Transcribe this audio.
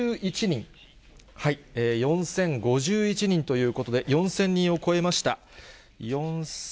４０５１人、４０５１人ということで、４０００人を超えました。